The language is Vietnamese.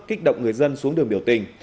kích động người dân xuống đường biểu tình